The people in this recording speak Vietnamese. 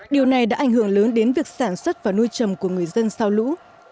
điều này đã ảnh hưởng lớn đến việc sản xuất và nuôi trầm của người dân sau lũ